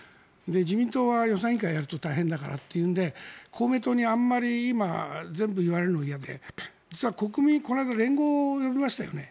自民党は予算委員会をやると大変だからというので公明党にあまり今、全部言われるのが嫌で実は国民、この間連合を呼びましたよね。